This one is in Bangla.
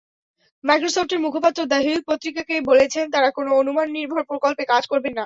মাইক্রোসফটের মুখপাত্র দ্য হিল পত্রিকাকে বলেছেন, তাঁরা কোনো অনুমাননির্ভর প্রকল্পে কাজ করবেন না।